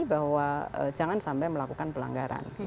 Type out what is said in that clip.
bahwa jangan sampai melakukan pelanggaran